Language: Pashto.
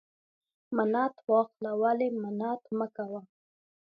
ـ منت واخله ولی منت مکوه.